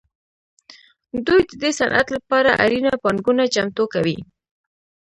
دوی د دې صنعت لپاره اړینه پانګونه چمتو کوي